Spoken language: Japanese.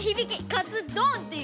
カツ「ドン！」っていう。